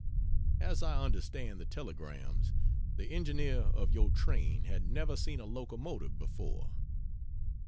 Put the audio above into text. As I understand the telegrams, the engineer of your train had never seen a locomotive before.